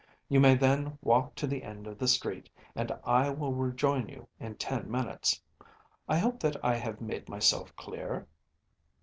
You may then walk to the end of the street, and I will rejoin you in ten minutes. I hope that I have made myself clear?